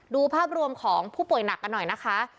ดูภาพรวมของผู้ป่วยหนักกันหน่อยนะคะ